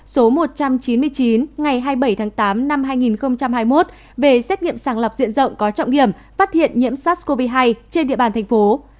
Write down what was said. số một trăm chín mươi chín ngày hai mươi bảy tháng tám năm hai nghìn hai mươi một về xét nghiệm sàng lọc diện rộng có trọng điểm phát hiện nhiễm sars cov hai trên địa bàn thành phố